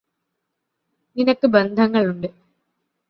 നിനക്ക് ബന്ധങ്ങളുണ്ട്